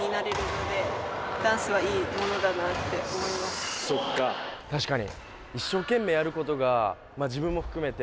今回そっか確かに。